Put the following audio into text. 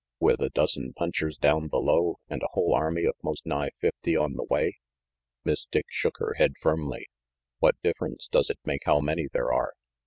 With a dozen punchers down below, and a whole army of most nigh fifty on the way." Miss Dick shook her head firmly. "What difference does it make how many there are?